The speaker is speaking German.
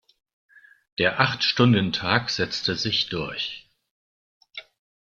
Der Achtstundentag setzte sich durch.